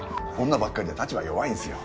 女ばっかりで立場弱いんですよ。